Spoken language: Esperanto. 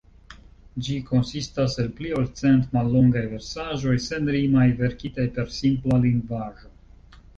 Ĝi konsistas el pli ol cent mallongaj versaĵoj, senrimaj, verkitaj per simpla lingvaĵo.